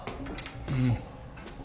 うん。